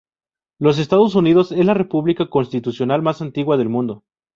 Los Estados Unidos es la República Constitucional más antigua del mundo.